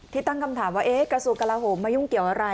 ตั้งคำถามว่ากระทรวงกลาโหมมายุ่งเกี่ยวอะไร